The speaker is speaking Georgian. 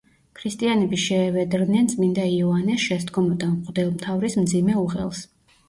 ქრისტიანები შეევედრნენ წმინდა იოანეს, შესდგომოდა მღვდელმთავრის მძიმე უღელს.